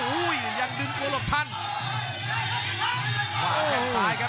โอ้โหโอ้โหโอ้โหโอ้โห